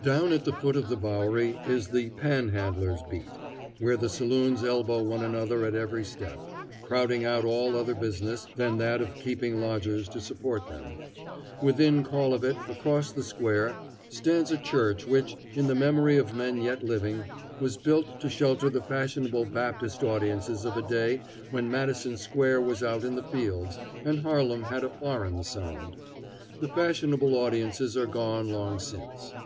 Down at the foot of the Bowery is the "pan handlers' beat," where the saloons elbow one another at every step, crowding out all other business than that of keeping lodgers to support them. Within call of it, across the square, stands a church which, in the memory of men yet living, was built to shelter the fashionable Baptist audiences of a day when Madison Square was out in the fields, and Harlem had a foreign sound. The fashionable audiences are gone long since.